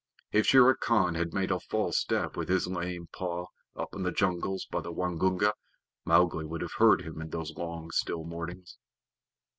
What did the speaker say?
If Shere Khan had made a false step with his lame paw up in the jungles by the Waingunga, Mowgli would have heard him in those long, still mornings.